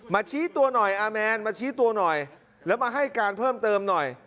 ชี้ตัวหน่อยอาแมนมาชี้ตัวหน่อยแล้วมาให้การเพิ่มเติมหน่อย